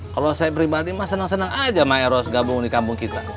kalau saya pribadi mah senang senang aja maeros gabung di kampung kita